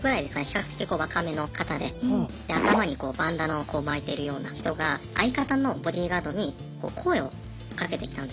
比較的若めの方で頭にこうバンダナをこう巻いてるような人が相方のボディーガードに声をかけてきたんですね。